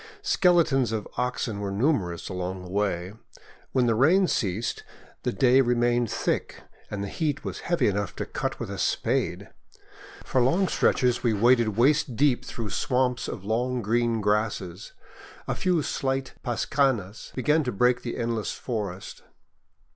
Skeletons of oxen were numerous along the way. When the rain ceased, the day remained thick, and the heat was heavy enough to cut with a spade. For long stretches we waded waist deep through swamps of long green grasses. A few slight pascanas began to break the endless forest.